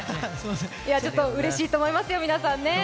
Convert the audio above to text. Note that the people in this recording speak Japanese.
ちょっとうれしいと思いますよ、皆さんね。